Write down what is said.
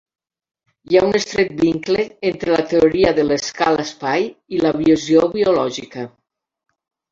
Hi ha un estret vincle entre la teoria de l'escala-espai i la visió biològica.